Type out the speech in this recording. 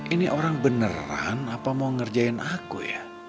ini orang beneran apa mau ngerjain aku ya